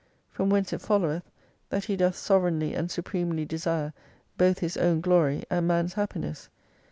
From whence it foUoweth that He doth sovereignly and supremely desire both His own glory and man's happiness.